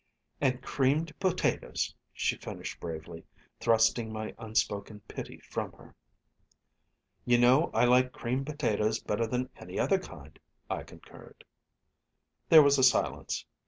"And creamed potatoes," she finished bravely, thrusting my unspoken pity from her. "You know I like creamed potatoes better than any other kind," I concurred. There was a silence.